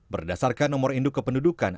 berdasarkan nomor induk kependudukan